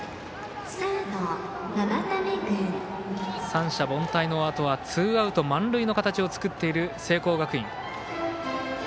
三者凡退のあとはツーアウト満塁の形を作っている聖光学院。